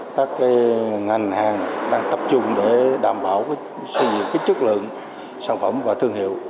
cà phê đang tập trung để đảm bảo số nhiệm chất lượng sản phẩm và thương hiệu